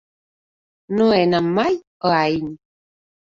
No he anat mai a Aín.